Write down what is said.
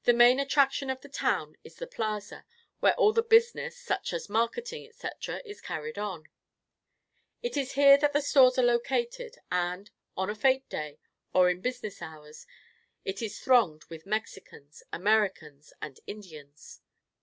The main attraction of the town is the plaza, where all the business, such as marketing, etc., is carried on. It is here that the stores are located; and, on a fête day, or in business hours, it is thronged with Mexicans, Americans, and Indians.